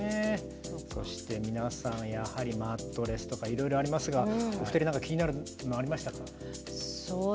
そして皆さん「マットレス」とかいろいろありますがお二人は気になるものありますか。